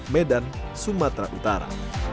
medan sumatera utara